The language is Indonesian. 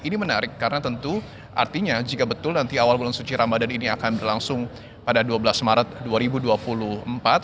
ini menarik karena tentu artinya jika betul nanti awal bulan suci ramadan ini akan berlangsung pada dua belas maret dua ribu dua puluh empat